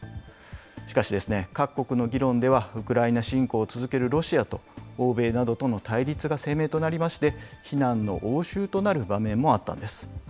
しかしですね、各国の議論ではウクライナ侵攻を続けるロシアと、欧米などとの対立が鮮明となりまして、非難の応酬となる場面もあったんです。